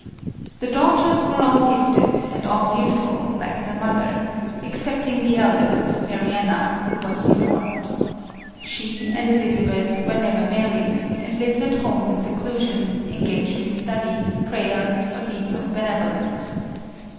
The daughters were all gifted, and all beautiful, like their mother, excepting the eldest, Marianna, who was deformed. She and Elizabeth were never married, and lived at home in seclusion, engaged in study, prayer, or deeds of benevolence.